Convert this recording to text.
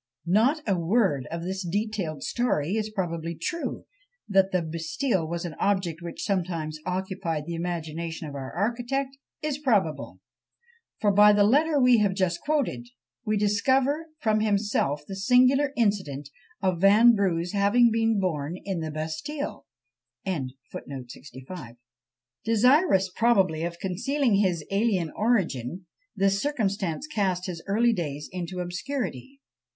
Not a word of this detailed story is probably true! that the Bastile was an object which sometimes occupied the imagination of our architect, is probable; for by the letter we have just quoted, we discover from himself the singular incident of Vanbrugh's having been born in the Bastile. Desirous, probably, of concealing his alien origin, this circumstance cast his early days into obscurity.